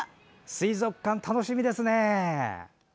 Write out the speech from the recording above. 水族館、楽しみですね！